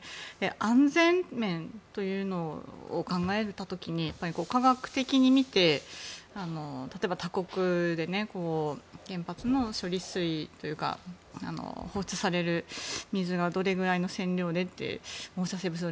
安全面というのを考えた時に科学的に見て例えば他国で原発の処理水というか放出される水がどれぐらいの線量でと放射性物質